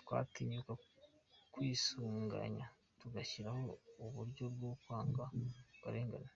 Twatinyuka kwisuganya tugashyiraho uburyo bwo kwanga ako karengane?